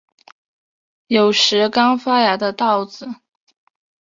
有时刚发芽的稻子